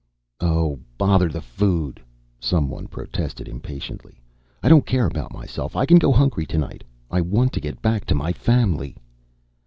"Oh, bother the food," some one protested impatiently. "I don't care about myself. I can go hungry to night. I want to get back to my family."